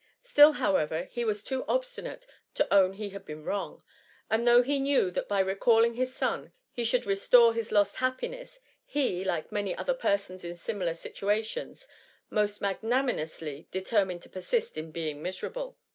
Still, however, he was too obstinate to own he had been wrong ; and though he knew that by recalling his son be should restore his lost happiness, he, like many other persons in similar situations, most THE MUMMY. 153 magnanimously determined to persist in being miserable.